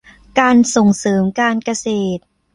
การส่งเสริมการเกษตร